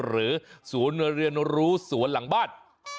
หรือศูนย์เรียนรู้สวนหลังบ้าน